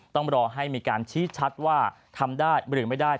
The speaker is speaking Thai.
ต้องรอให้มีการชี้ชัดว่าทำได้หรือไม่ได้